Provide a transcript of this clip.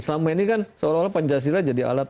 selama ini kan seolah olah pancasila jadi alat